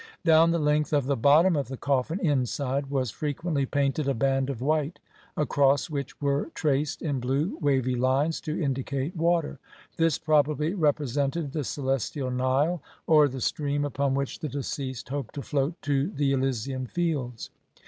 Down the length of the bottom of the coffin inside was fre quently painted a band of white across which were traced in blue wavy lines to indicate water ; this pro bably represented the celestial Nile, or the stream upon which the deceased hoped to float to the Ely sian Fields.